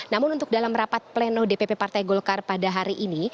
namun untuk dalam rapat pleno dpp partai golkar pada hari ini